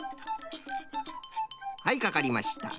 はいかかりました。